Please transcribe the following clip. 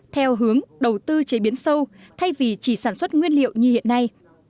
theo hướng đầu tư chế biến sâu thay vì chỉ sản xuất nguyên liệu như hiện nay